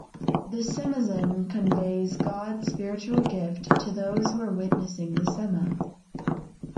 The semazen conveys God's spiritual gift to those who are witnessing the Sema.